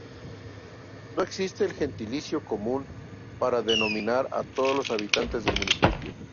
No existe un gentilicio común para denominar a todos los habitantes del municipio.